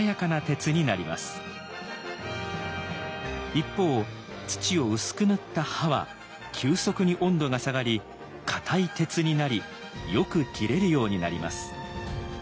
一方土を薄く塗った刃は急速に温度が下がり硬い鉄になりよく切れるようになります。